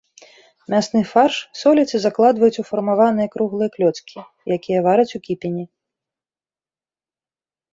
Мясны фарш соляць і закладваюць у фармаваныя круглыя клёцкі, якія вараць у кіпені.